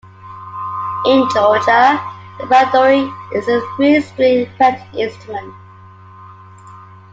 In Georgia the "panduri" is a three-string fretted instrument.